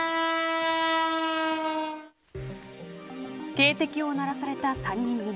警笛を鳴らされた３人組。